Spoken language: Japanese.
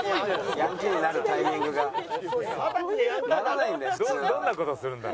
ヤンキーになるタイミングが。ならないんだよ